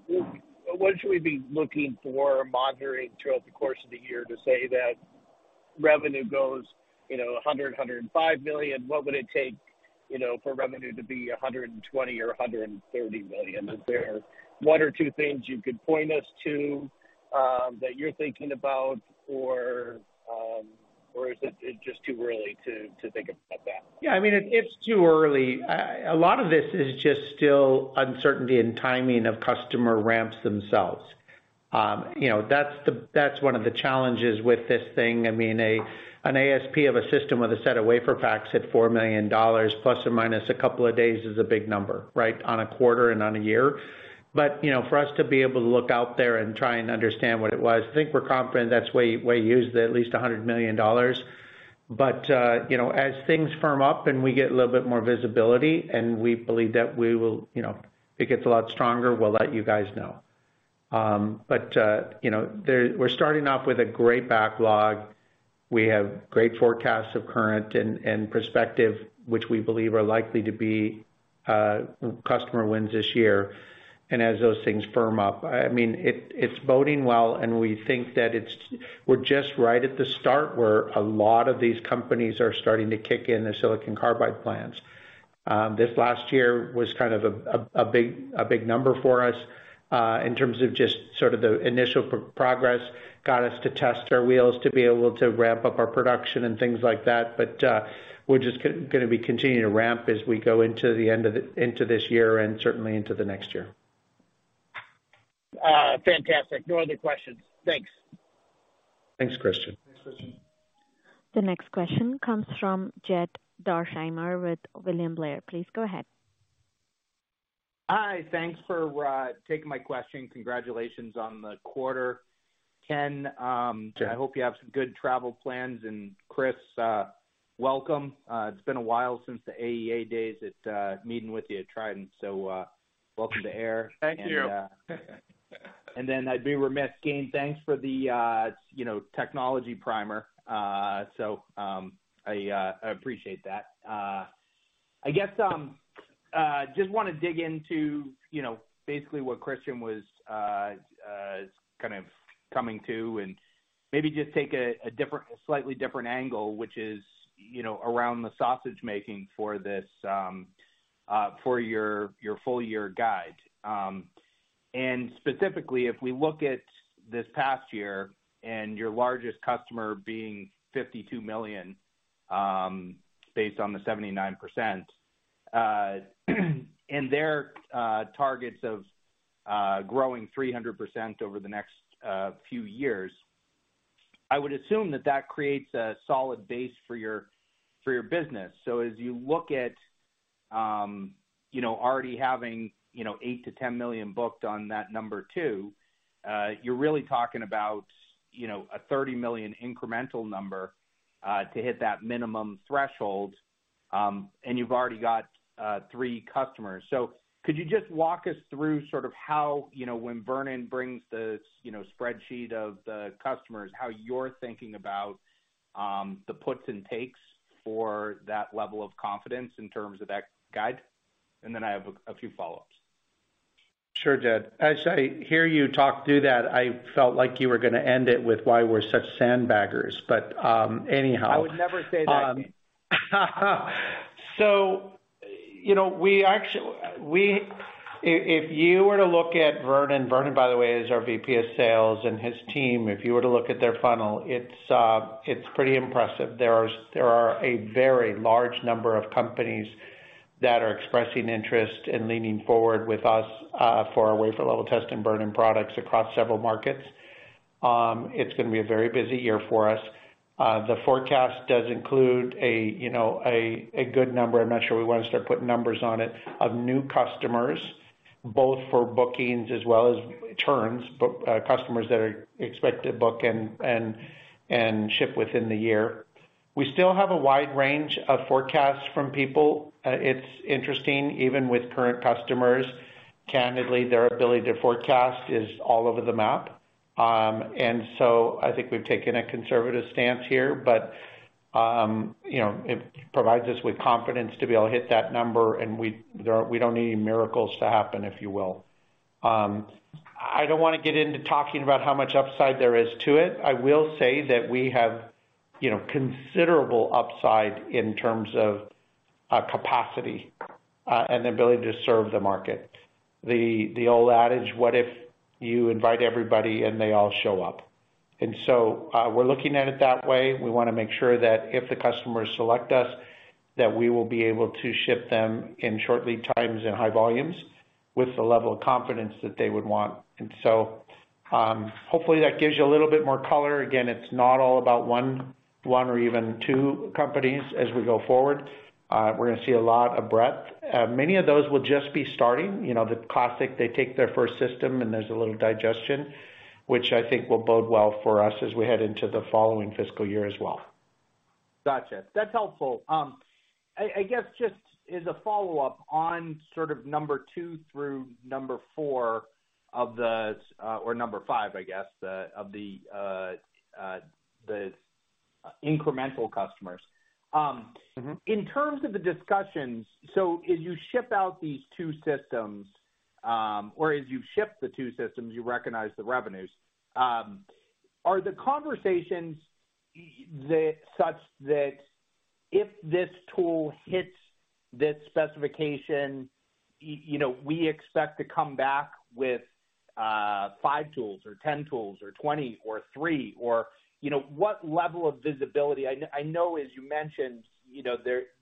what should we be looking for or monitoring throughout the course of the year to say that revenue goes, you know, $105 million? What would it take, you know, for revenue to be $120 million or $130 million? Is there one or two things you could point us to that you're thinking about, or is it just too early to think about that? Yeah, I mean, it's too early. A lot of this is just still uncertainty and timing of customer ramps themselves. You know, that's one of the challenges with this thing. I mean, an ASP of a system with a set of WaferPaks at $4 million, plus or minus a couple of days, is a big number, right? On a quarter and on a year. You know, for us to be able to look out there and try and understand what it was, I think we're confident that's why we used at least $100 million. You know, as things firm up and we get a little bit more visibility, and we believe that we will, you know, it gets a lot stronger, we'll let you guys know. You know, we're starting off with a great backlog. We have great forecasts of current and prospective, which we believe are likely to be customer wins this year. As those things firm up, I mean, it's boding well, and we think that we're just right at the start, where a lot of these companies are starting to kick in their silicon carbide plants. This last year was kind of a big number for us, in terms of just sort of the initial progress. Got us to test our wheels, to be able to ramp up our production and things like that, we're just gonna be continuing to ramp as we go into the end of the, into this year and certainly into the next year. Fantastic. No other questions. Thanks. Thanks, Christian. Thanks, Christian. The next question comes from Jed Dorsheimer with William Blair. Please go ahead. Hi. Thanks for taking my question. Congratulations on the quarter. Ken. Jed. I hope you have some good travel plans. Chris, welcome. It's been a while since the AEA days at, meeting with you at Trident. Welcome to Aehr. Thank you. I'd be remiss, Gayn, thanks for the, you know, technology primer. I appreciate that. I guess, just wanna dig into, you know, basically what Christian was kind of coming to, and maybe just take a different, slightly different angle, which is, you know, around the sausage making for this, for your full year guide. Specifically, if we look at this past year and your largest customer being $52 million, based on the 79%, and their targets of growing 300% over the next few years, I would assume that that creates a solid base for your, for your business. As you look at, you know, already having, you know, $8 million-$10 million booked on that number 2, you're really talking about, you know, a $30 million incremental number to hit that minimum threshold, and you've already got 3 customers. Could you just walk us through sort of how, you know, when Vernon brings this, you know, spreadsheet of the customers, how you're thinking about, the puts and takes for that level of confidence in terms of that guide? Then I have a few follow-ups. Sure, Jed. As I hear you talk through that, I felt like you were gonna end it with why we're such sandbaggers, but anyhow. I would never say that. You know, If you were to look at Vernon, by the way, is our VP of Sales and his team, if you were to look at their funnel, it's pretty impressive. There are a very large number of companies that are expressing interest and leaning forward with us for our wafer level test and Vernon products across several markets. It's gonna be a very busy year for us. The forecast does include a, you know, a good number, I'm not sure we want to start putting numbers on it, of new customers, both for bookings as well as turns, customers that are expect to book and ship within the year. We still have a wide range of forecasts from people. It's interesting, even with current customers, candidly, their ability to forecast is all over the map. I think we've taken a conservative stance here, but, you know, it provides us with confidence to be able to hit that number, and we don't need any miracles to happen, if you will. I don't wanna get into talking about how much upside there is to it. I will say that we have, you know, considerable upside in terms of capacity, and the ability to serve the market. The old adage, what if you invite everybody and they all show up? We're looking at it that way. We wanna make sure that if the customers select us, that we will be able to ship them in short lead times and high volumes with the level of confidence that they would want. Hopefully, that gives you a little bit more color. Again, it's not all about one or even two companies as we go forward. We're gonna see a lot of breadth. Many of those will just be starting, you know, the classic, they take their first system and there's a little digestion, which I think will bode well for us as we head into the following fiscal year as well. Gotcha. That's helpful. I guess just as a follow-up on sort of number two through number four of the, or five, I guess, the, of the incremental customers. Mm-hmm. In terms of the discussions, so as you ship out these two systems, or as you ship the two systems, you recognize the revenues. Are the conversations such that if this tool hits this specification, you know, we expect to come back with five tools or 10 tools, or 20, or three, or, you know, what level of visibility, I know, as you mentioned, you know,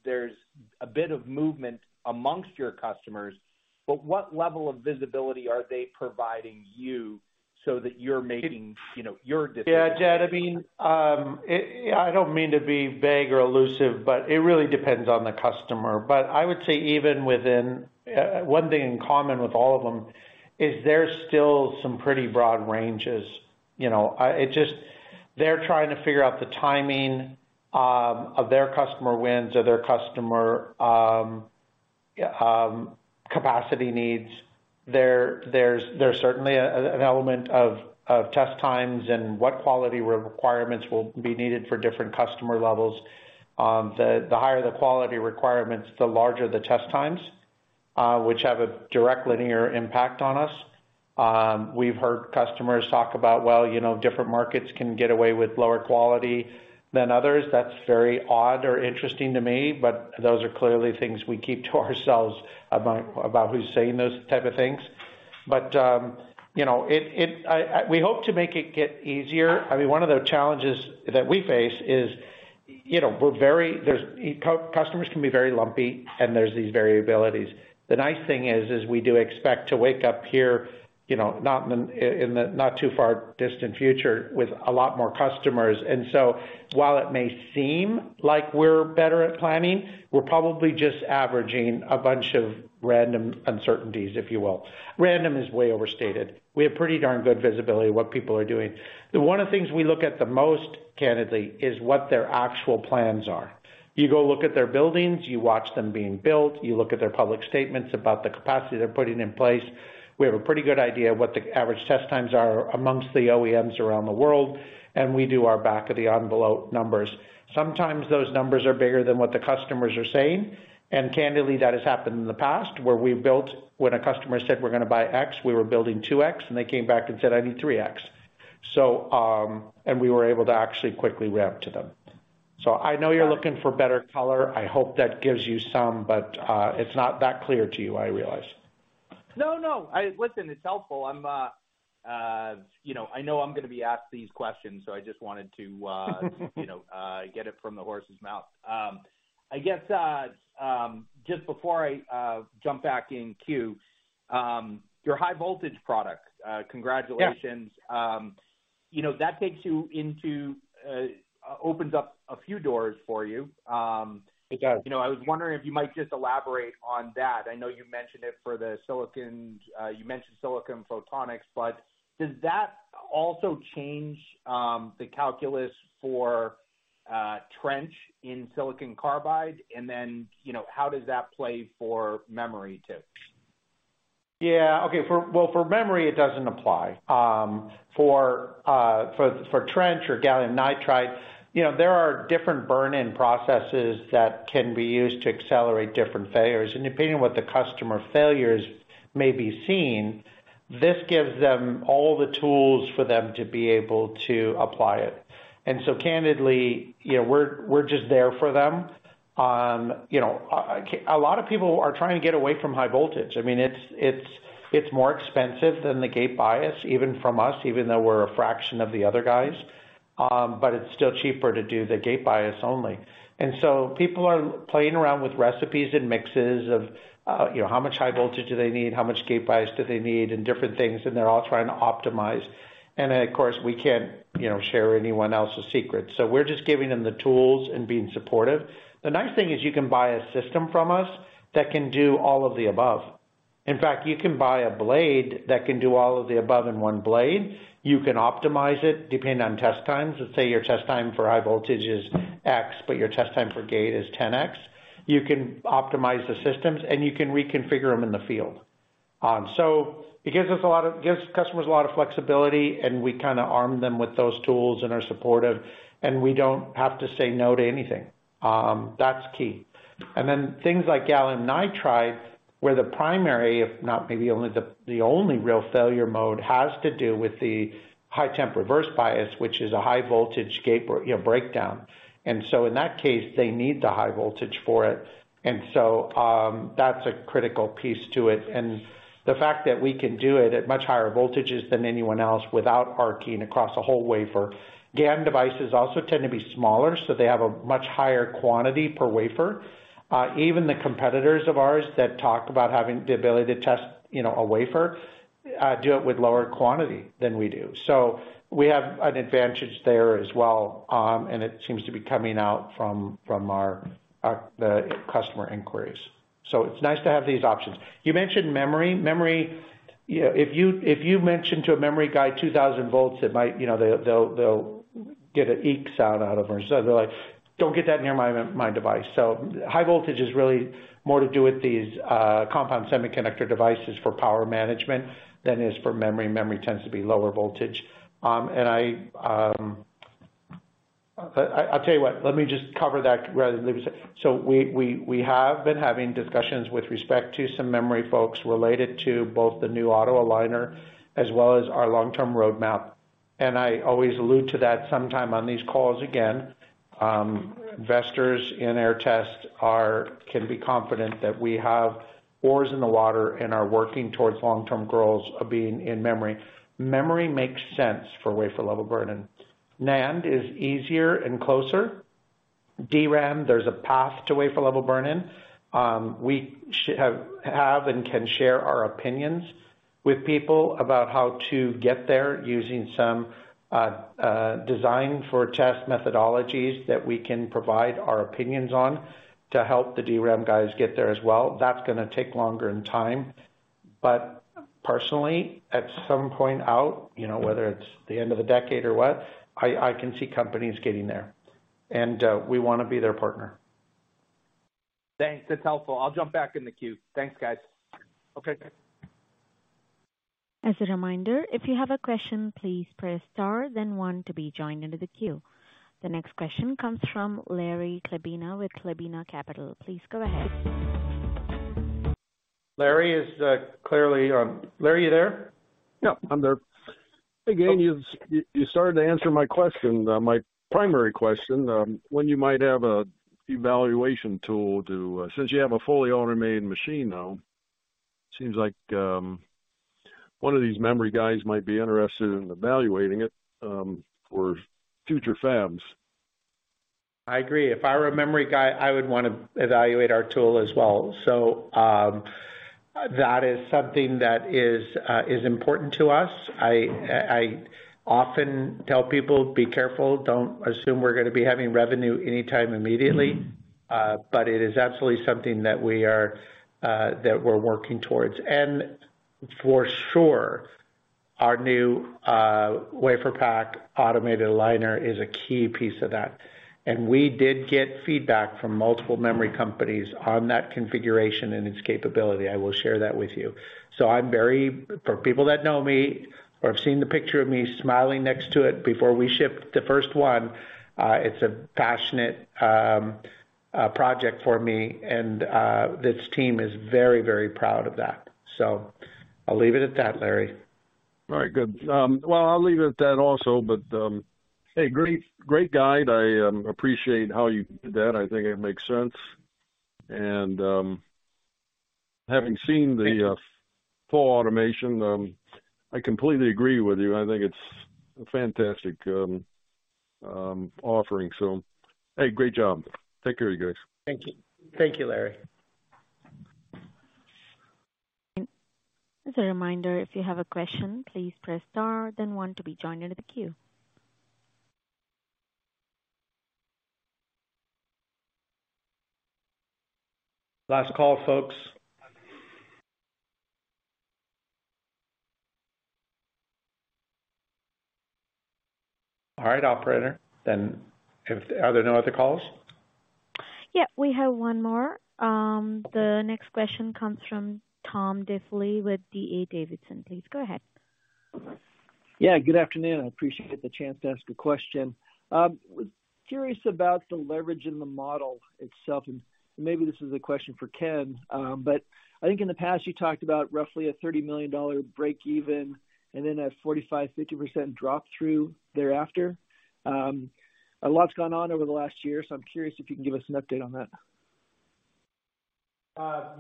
there's a bit of movement amongst your customers, but what level of visibility are they providing you so that you're making, you know, your decisions? Yeah, Jed, I mean, I don't mean to be vague or elusive, but it really depends on the customer. I would say even within, one thing in common with all of them, is there's still some pretty broad ranges, you know? They're trying to figure out the timing of their customer wins or their customer capacity needs. There's certainly an element of test times and what quality requirements will be needed for different customer levels. The higher the quality requirements, the larger the test times, which have a direct linear impact on us. We've heard customers talk about, Well, you know, different markets can get away with lower quality than others. That's very odd or interesting to me, but those are clearly things we keep to ourselves about who's saying those type of things. You know, we hope to make it get easier. I mean, one of the challenges that we face is, you know, we're very. Customers can be very lumpy, and there's these variabilities. The nice thing is we do expect to wake up here, you know, not in the not too far distant future with a lot more customers. While it may seem like we're better at planning, we're probably just averaging a bunch of random uncertainties, if you will. Random is way overstated. We have pretty darn good visibility of what people are doing. One of the things we look at the most, candidly, is what their actual plans are. You go look at their buildings, you watch them being built, you look at their public statements about the capacity they're putting in place. We have a pretty good idea of what the average test times are amongst the OEMs around the world, and we do our back of the envelope numbers. Sometimes those numbers are bigger than what the customers are saying, and candidly, that has happened in the past, where we built when a customer said, "We're gonna buy X," we were building 2X, and they came back and said, "I need 3X." And we were able to actually quickly ramp to them. I know you're looking for better color. I hope that gives you some, but it's not that clear to you, I realize. No, no, I listen, it's helpful. I'm, you know, I know I'm gonna be asked these questions, so I just wanted to get it from the horse's mouth. I guess just before I jump back in queue, your high voltage product, congratulations. Yeah. You know, that takes you into, opens up a few doors for you. It does. You know, I was wondering if you might just elaborate on that. I know you mentioned it for the silicon, you mentioned silicon photonics, but does that also change the calculus for trench in silicon carbide? Then, you know, how does that play for memory, too? Okay, for, well, for memory, it doesn't apply. For trench or gallium nitride, you know, there are different burn-in processes that can be used to accelerate different failures. Depending on what the customer failures may be seeing, this gives them all the tools for them to be able to apply it. Candidly, you know, we're just there for them. You know, a lot of people are trying to get away from high voltage. I mean, it's more expensive than the gate bias, even from us, even though we're a fraction of the other guys. But it's still cheaper to do the gate bias only. People are playing around with recipes and mixes of, you know, how much high voltage do they need, how much gate bias do they need, and different things, and they're all trying to optimize. Of course, we can't, you know, share anyone else's secrets, so we're just giving them the tools and being supportive. The nice thing is you can buy a system from us that can do all of the above. In fact, you can buy a blade that can do all of the above in one blade. You can optimize it depending on test times. Let's say your test time for high voltage is X, but your test time for gate is 10X, you can optimize the systems, and you can reconfigure them in the field. It gives us a lot of, gives customers a lot of flexibility, and we kind of arm them with those tools and are supportive, and we don't have to say no to anything. That's key. Then things like gallium nitride, where the primary, if not maybe only the only real failure mode, has to do with the high temp reverse bias, which is a high voltage gate, you know, breakdown. In that case, they need the high voltage for it. That's a critical piece to it. The fact that we can do it at much higher voltages than anyone else without arcing across a whole wafer. GaN devices also tend to be smaller, so they have a much higher quantity per wafer. Even the competitors of ours that talk about having the ability to test, you know, a wafer, do it with lower quantity than we do. We have an advantage there as well, and it seems to be coming out from our, the customer inquiries. It's nice to have these options. You mentioned memory. Memory, you know, if you, if you mention to a memory guy 2,000 volts, it might, you know, they'll, they'll get an eek sound out of them. They're like, Don't get that near my device. High voltage is really more to do with these compound semiconductor devices for power management than it is for memory. Memory tends to be lower voltage. And I'll tell you what, let me just cover that rather than leave it. We have been having discussions with respect to some memory folks related to both the new auto aligner as well as our long-term roadmap. I always allude to that sometime on these calls again. Investors in Aehr Test Systems can be confident that we have oars in the water and are working towards long-term goals of being in memory. Memory makes sense for wafer level burn-in. NAND is easier and closer. DRAM, there's a path to wafer level burn-in. We have and can share our opinions with people about how to get there using some design for test methodologies that we can provide our opinions on to help the DRAM guys get there as well. That's gonna take longer in time. Personally, at some point out, you know, whether it's the end of the decade or what, I can see companies getting there, and, we wanna be their partner. Thanks. That's helpful. I'll jump back in the queue. Thanks, guys. Okay. As a reminder, if you have a question, please press star then one to be joined into the queue. The next question comes from Larry Chlebina with Chlebina Capital. Please go ahead. Larry, are you there? Yeah, I'm here. Again, you started to answer my question, my primary question, when you might have an evaluation tool. Since you have a fully automated machine now, seems like one of these memory guys might be interested in evaluating it for future fabs. I agree. If I were a memory guy, I would wanna evaluate our tool as well. That is something that is important to us. I often tell people, Be careful. Don't assume we're gonna be having revenue anytime immediately. It is absolutely something that we are that we're working towards. For sure, our new WaferPak automated aligner is a key piece of that. We did get feedback from multiple memory companies on that configuration and its capability. I will share that with you. I'm very... For people that know me or have seen the picture of me smiling next to it before we shipped the first one, it's a passionate project for me, and this team is very, very proud of that. I'll leave it at that, Larry. All right, good. Well, I'll leave it at that also, but, hey, great guide. I appreciate how you did that. I think it makes sense. Having seen the full automation, I completely agree with you. I think it's a fantastic offering. Hey, great job. Take care of you guys. Thank you. Thank you, Larry. As a reminder, if you have a question, please press star then one to be joined into the queue. Last call, folks. All right, operator, are there no other calls? Yeah, we have one more. The next question comes from Tom Diffely with D.A. Davidson. Please, go ahead. Yeah, good afternoon. I appreciate the chance to ask a question. Was curious about the leverage in the model itself, maybe this is a question for Ken. I think in the past, you talked about roughly a $30 million breakeven and then a 45%-50% drop through thereafter. A lot's gone on over the last year, I'm curious if you can give us an update on that.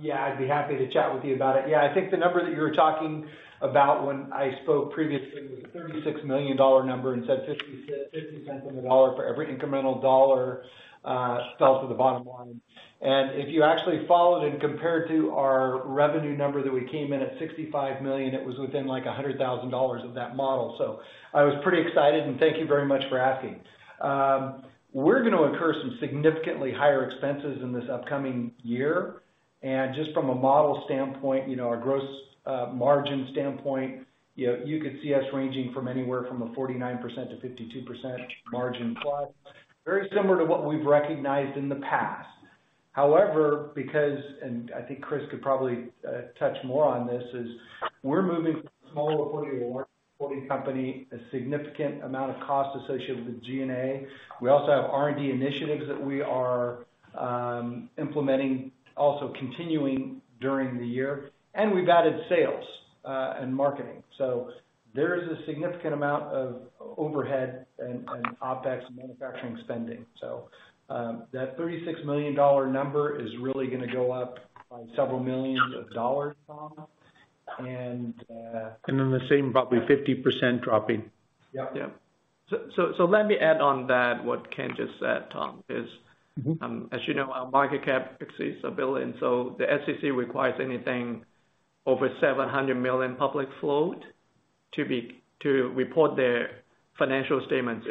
Yeah, I'd be happy to chat with you about it. Yeah, I think the number that you were talking about when I spoke previously was a $36 million number and said $0.50 on the dollar for every incremental dollar fell to the bottom line. If you actually followed and compared to our revenue number, that we came in at $65 million, it was within, like, $100,000 of that model. I was pretty excited, and thank you very much for asking. We're gonna incur some significantly higher expenses in this upcoming year, and just from a model standpoint, you know, our gross margin standpoint, you know, you could see us ranging from anywhere from a 49% to 52% margin plus. Very similar to what we've recognized in the past.... Because, and I think Chris could probably touch more on this, is we're moving from a small reporting to a large reporting company, a significant amount of cost associated with G&A. We also have R&D initiatives that we are implementing, also continuing during the year, and we've added sales and marketing. There is a significant amount of overhead and OpEx manufacturing spending. That $36 million number is really gonna go up by several millions of dollars, Tom. Then the same, probably 50% dropping. Yep. Yeah. Let me add on that, what Ken just said, Tom. Mm-hmm. As you know, our market cap exceeds $1 billion. The SEC requires anything over $700 million public float to report their financial statements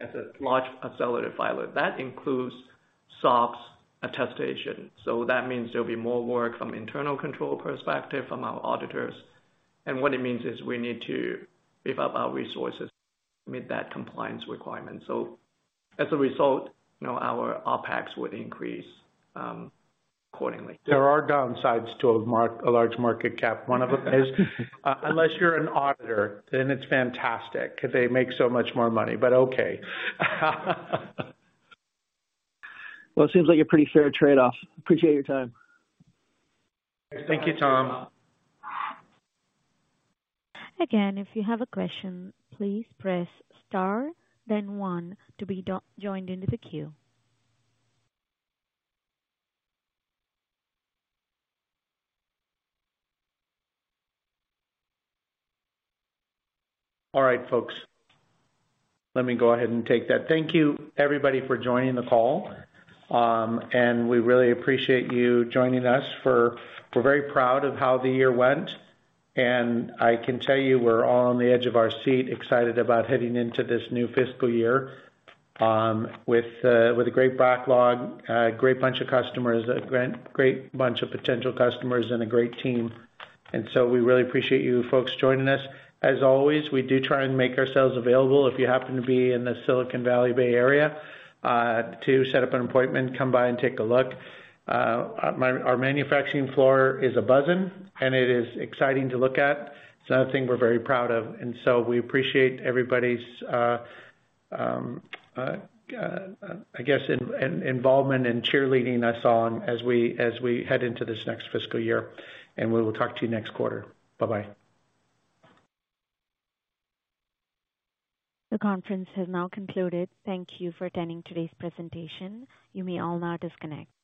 as a large accelerated filer. That includes SOX attestation. That means there'll be more work from internal control perspective from our auditors. What it means is we need to beef up our resources to meet that compliance requirement. As a result, you know, our OpEx would increase accordingly. There are downsides to a large market cap. One of them is, unless you're an auditor, then it's fantastic, because they make so much more money. Okay. Well, it seems like a pretty fair trade-off. Appreciate your time. Thank you, Tom. Again, if you have a question, please press star then one to be joined into the queue. All right, folks, let me go ahead and take that. Thank you, everybody, for joining the call. We really appreciate you joining us. We're very proud of how the year went, and I can tell you, we're all on the edge of our seat, excited about heading into this new fiscal year, with a great backlog, a great bunch of customers, a great bunch of potential customers, and a great team. We really appreciate you folks joining us. As always, we do try and make ourselves available if you happen to be in the Silicon Valley Bay Area, to set up an appointment, come by and take a look. Our manufacturing floor is a buzzing, and it is exciting to look at. It's another thing we're very proud of. We appreciate everybody's, I guess, involvement in cheerleading us on as we head into this next fiscal year. We will talk to you next quarter. Bye-bye. The conference has now concluded. Thank you for attending today's presentation. You may all now disconnect.